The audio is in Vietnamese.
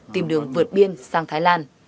tìm đường vượt biên sang thái lan